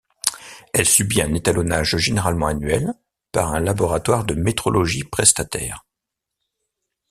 Elle subit un étalonnage généralement annuel par un laboratoire de métrologie prestataire.